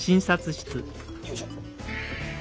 よいしょ。